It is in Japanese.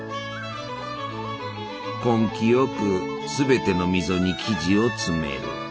根気よくすべての溝に生地を詰める。